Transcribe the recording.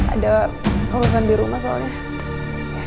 ada urusan di rumah soalnya